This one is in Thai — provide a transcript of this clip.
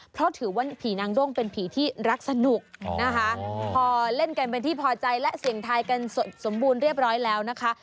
เพราะถือว่าผีนางด้งเป็นผีที่รักสนุกนะคะพอเล่นกันเป็นที่พอใจและเสี่ยงทายกันสดสมบูรณ์เรียบร้อยแล้วนะคะ